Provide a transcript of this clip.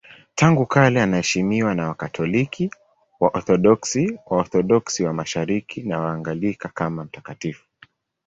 Tangu kale anaheshimiwa na Wakatoliki, Waorthodoksi, Waorthodoksi wa Mashariki na Waanglikana kama mtakatifu.